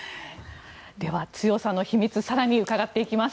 では、強さの秘密更に伺っていきます。